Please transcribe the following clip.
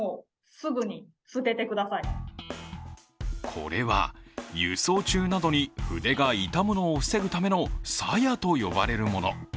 これは輸送中などに筆が傷むのを防ぐためのさやと呼ばれるもの。